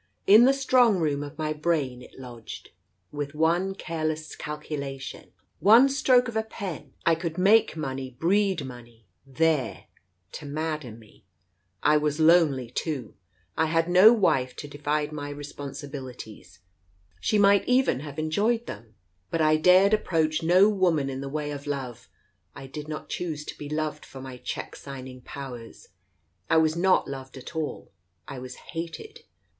In the strong room of my brain it lodged. With one careless calculation, one stroke of a pen, I could make money breed money there to madden me. I was lonely, too. I had no wife to divide my responsibilities. She might even have enjoyed them. l 2 — Dj^itiz )05le 148 TALES OF THE UNEASY But I dared approach no woman in the way of love — I did not choose to be loved for my cheque signing powers. I was not loved at all. I was hated.